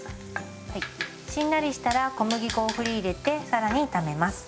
はいしんなりしたら小麦粉を振り入れて更に炒めます。